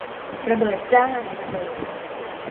ระเบิดจ้า ระเบิด